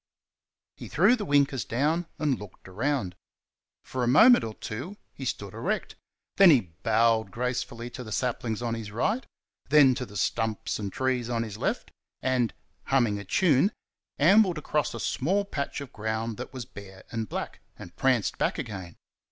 He threw the winkers down and looked around. For a moment or two he stood erect, then he bowed gracefully to the saplings on his right, then to the stumps and trees on his left, and humming a tune, ambled across a small patch of ground that was bare and black, and pranced back again.